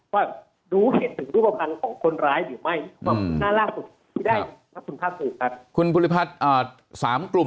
ว่าดูเหตุขึ้นรุปภัณฑ์ของคนรายหรือไม่ที่คุณพลิพรรทธิสาตุอีกครับ